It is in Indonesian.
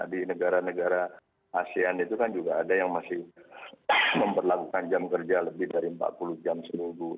di negara negara asean itu kan juga ada yang masih memperlakukan jam kerja lebih dari empat puluh jam seminggu